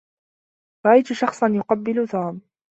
رأيت شخصا يقبّل توم.